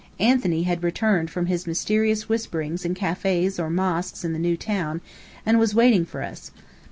Anthony had returned from his mysterious whisperings in cafés or mosques in the new town, and was waiting for us.